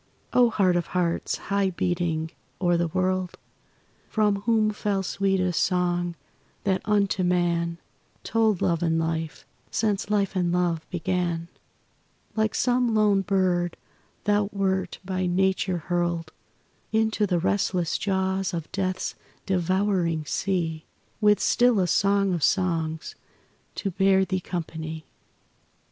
O Heart of Hearts! high beating o'er the world From whom fell sweetest song that unto man Told love and life, since life and love began; Like some lone bird thou wert by Nature hurled Into the restless jaws of death's devouring sea With still a Song of Songs to bear thee company.